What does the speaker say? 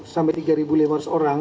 sampai tiga lima ratus orang